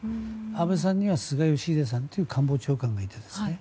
安倍さんには菅義偉さんという官房長官がいたんですね。